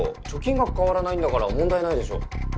貯金額変わらないんだから問題ないでしょ。